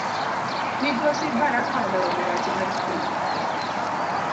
Migosi Baraka olero duache mar chung